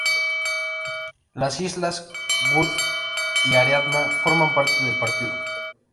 Las islas Wood y Ariadna forman parte del partido.